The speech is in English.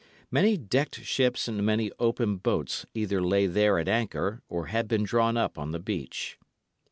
Many decked ships and many open boats either lay there at anchor, or had been drawn up on the beach.